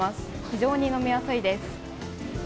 非常に飲みやすいです。